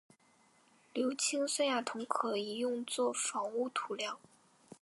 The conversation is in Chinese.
硫氰酸亚铜可以用作防污涂料。